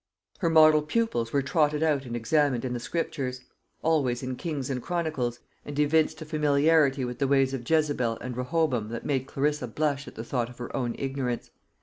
Her model pupils were trotted out and examined in the Scriptures always in Kings and Chronicles and evinced a familiarity with the ways of Jezebel and Rehoboam that made Clarissa blush at the thought of her own ignorance.